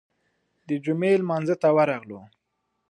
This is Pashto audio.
د جمعې لمانځه ته ورغلو.